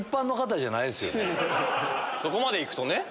そこまで行くとね。